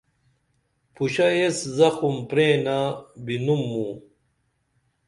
پُشہ ایس زخم پرینہ بِنُم موں